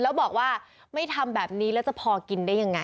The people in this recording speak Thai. แล้วบอกว่าไม่ทำแบบนี้แล้วจะพอกินได้ยังไง